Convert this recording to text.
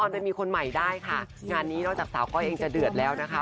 จะมีคนใหม่ได้ค่ะงานนี้นอกจากสาวก้อยเองจะเดือดแล้วนะคะ